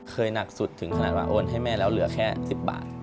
หนักสุดถึงขนาดว่าโอนให้แม่แล้วเหลือแค่๑๐บาท